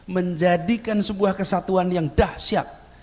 menjadikan sebuah kesatuan yang dahsyat